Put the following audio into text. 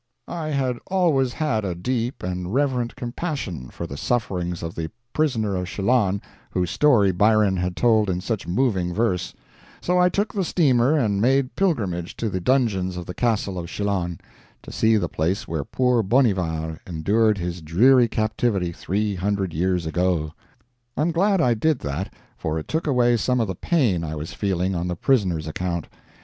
I had always had a deep and reverent compassion for the sufferings of the "prisoner of Chillon," whose story Byron had told in such moving verse; so I took the steamer and made pilgrimage to the dungeons of the Castle of Chillon, to see the place where poor Bonnivard endured his dreary captivity three hundred years ago. I am glad I did that, for it took away some of the pain I was feeling on the prisoner's account.